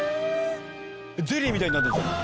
ゼリーみたいになってるじゃん。